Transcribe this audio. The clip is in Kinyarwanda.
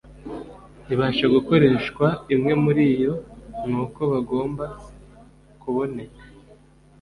ibasha gukoreshwa Imwe muri yo ni uko hagomba kuboneka